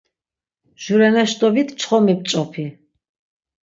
Jureneçdovit çxomi p̆ç̆opi.